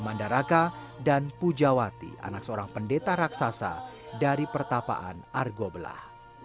dan mandaraka dan pujawati anak seorang pendeta raksasa dari pertapaan argoblah